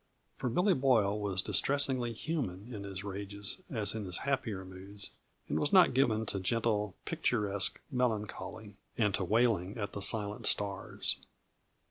For Billy Boyle was distressingly human in his rages as in his happier moods, and was not given to gentle, picturesque melancholy and to wailing at the silent stars.